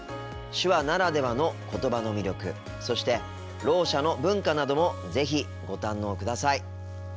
手話ならではの言葉の魅力そしてろう者の文化なども是非ご堪能ください。